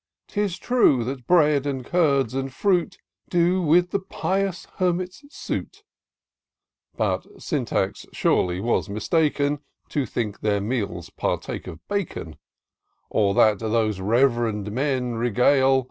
'Tis true that bread, and curds, and fruit, Do with the pious hermits suit ; But Syntax surely was mistaken To think their meals partake of bacon ; Or, that those reverend men regale.